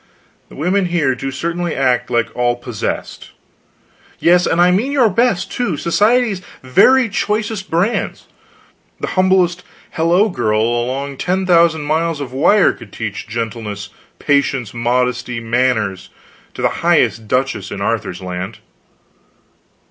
The women here do certainly act like all possessed. Yes, and I mean your best, too, society's very choicest brands. The humblest hello girl along ten thousand miles of wire could teach gentleness, patience, modesty, manners, to the highest duchess in Arthur's land."